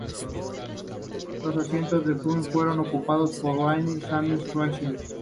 Los asientos del Funcinpec fueron ocupados por Ranariddh y Sam Rainsy.